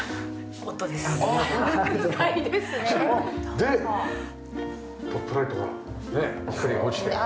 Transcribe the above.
でトップライトがねえ光が落ちて。